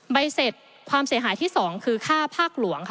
ใบเสร็จความเสียหายที่๒คือค่าภาคหลวงค่ะ